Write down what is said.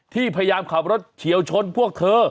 พยายามขับรถเฉียวชนพวกเธอ